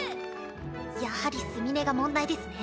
やはりすみれが問題ですね。